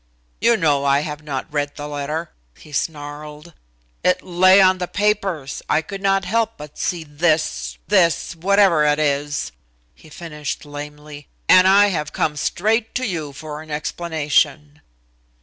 "You know I have not read the letter." he snarled. "It lay on the papers. I could not help but see this this whatever it is," he finished lamely, "and I have come straight to you for an explanation."